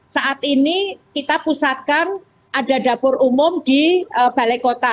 saat ini kita pusatkan ada dapur umum di balai kota